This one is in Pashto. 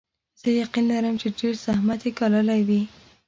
زه یقین لرم چې ډېر زحمت یې ګاللی وي.